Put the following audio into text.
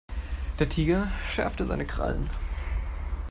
Der Tiger schärfte seine Krallen.